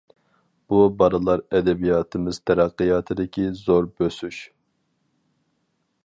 بۇ بالىلار ئەدەبىياتىمىز تەرەققىياتىدىكى زور بۆسۈش.